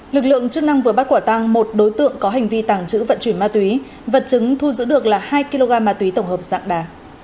lực lượng chức năng vừa bắt quả tăng một đối tượng có hành vi tàng trữ vận chuyển ma túy vật chứng thu giữ được là hai kg ma túy tổng hợp dạng đá